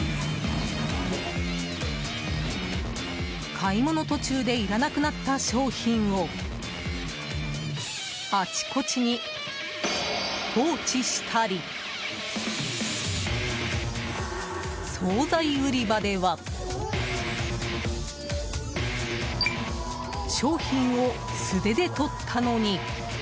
買い物途中でいらなくなった商品をあちこちに放置したり総菜売り場では商品を素手で取ったのに。